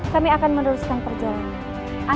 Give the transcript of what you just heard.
kami akan meneruskan perjalanan